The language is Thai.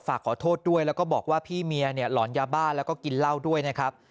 ฝากขอโทษด้วยแล้วก็บอกว่าพี่เมียเนี่ยหลอนยาบ้าแล้วก็กินเหล้าด้วยนะครับ